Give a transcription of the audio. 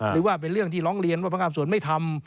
มีเรื่องร้องเรียนว่าพังฆาตส่วนไม่ทำ